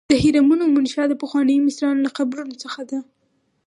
د هرمونو منشا د پخوانیو مصریانو له قبرونو څخه ده.